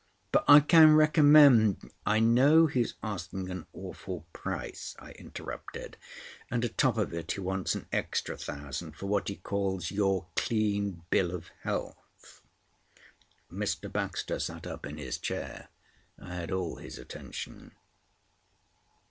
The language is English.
But I can recommend—" "I know he's asking an awful price," I interrupted, "and atop of it he wants an extra thousand for what he calls your clean bill of health." Mr. Baxter sat up in his chair. I had all his attention.